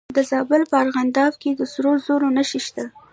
د زابل په ارغنداب کې د سرو زرو نښې شته.